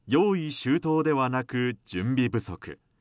周到ではなく準備不足。